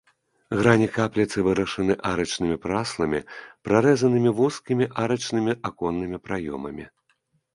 Грані капліцы вырашаны арачнымі прасламі, прарэзанымі вузкімі арачнымі аконнымі праёмамі.